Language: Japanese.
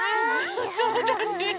そうだね！